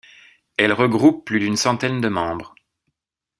Elle regroupe plus d'une centaine de membres.